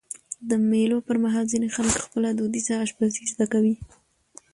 د مېلو پر مهال ځيني خلک خپله دودیزه اشپزي زده کوي.